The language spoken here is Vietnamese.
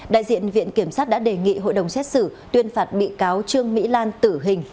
đại diện viện kiểm sát đã đề nghị hội đồng xét xử tuyên phạt bị cáo trương mỹ lan tử hình